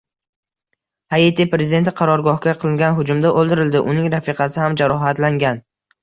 Haiti prezidenti qarorgohga qilingan hujumda o‘ldirildi. Uning rafiqasi ham jarohatlangan